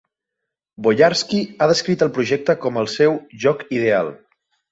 Boyarsky ha descrit el projecte com el seu "joc ideal".